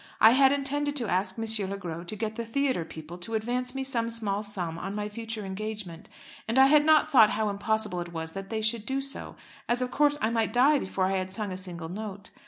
I had intended to ask M. Le Gros to get the theatre people to advance me some small sum on my future engagement, and I had not thought how impossible it was that they should do so, as of course I might die before I had sung a single note.